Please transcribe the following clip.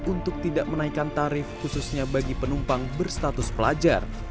untuk tidak menaikkan tarif khususnya bagi penumpang berstatus pelajar